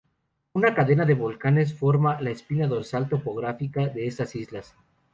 Una cadena de volcanes forma la espina dorsal topográfica de estas islas.